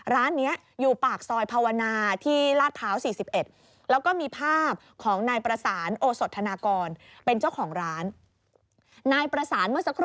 ร้านนี้อยู่ปากซอยภาวนาที่ลาดเท้า๔๑